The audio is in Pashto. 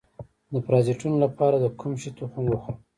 د پرازیتونو لپاره د کوم شي تخم وخورم؟